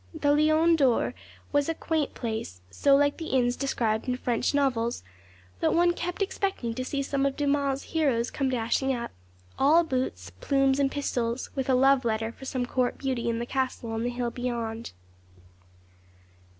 The Lion d'Or was a quaint place, so like the inns described in French novels, that one kept expecting to see some of Dumas' heroes come dashing up, all boots, plumes, and pistols, with a love letter for some court beauty in the castle on the hill beyond.